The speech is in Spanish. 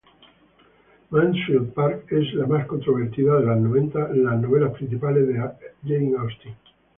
Mansfield Park es la más controvertida de las novelas principales de Austen.